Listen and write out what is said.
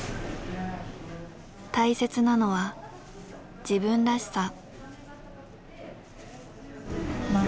大切なのは自分らしさ。